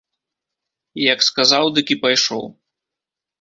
Як сказаў, дык і пайшоў.